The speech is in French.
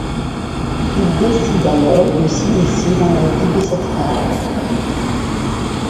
Il décide alors de s'immiscer dans la vie de cette femme...